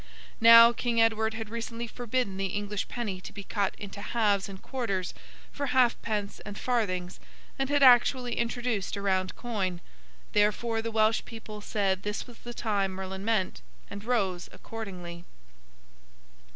Now, King Edward had recently forbidden the English penny to be cut into halves and quarters for halfpence and farthings, and had actually introduced a round coin; therefore, the Welsh people said this was the time Merlin meant, and rose accordingly.